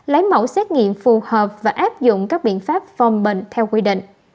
lấy mẫu xét nghiệm phù hợp và áp dụng các biện pháp phòng bệnh theo quy định